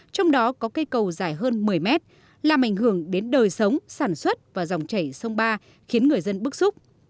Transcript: trong đó có cây cầu dài hơn một mươi mét làm ảnh hưởng đến đời sống sản xuất và dòng chảy sông ba khiến người dân bức xúc